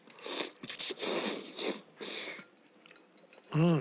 うん。